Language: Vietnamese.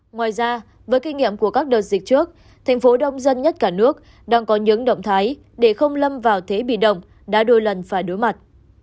ngoài ra với kinh nghiệm của các đợt dịch trước thành phố đông dân nhất cả nước đang có những động thái để không lâm vào thế bị động đã đôi lần phải đối mặt